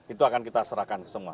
itu akan kita serahkan ke semua